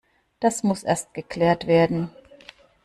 Das muss erst geklärt werden.